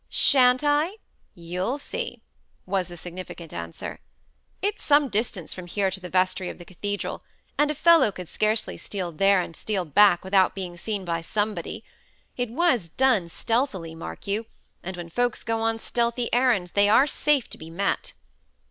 "Shan't I? You'll see," was the significant answer. "It's some distance from here to the vestry of the cathedral, and a fellow could scarcely steal there and steal back without being seen by somebody. It was done stealthily, mark you; and when folks go on stealthy errands they are safe to be met."